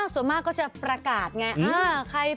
ส่วนมากก็จะประกาศไง